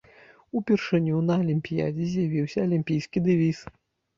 Упершыню на алімпіядзе з'явіўся алімпійскі дэвіз.